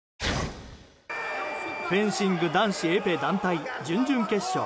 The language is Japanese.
フェンシング男子エペ団体準々決勝。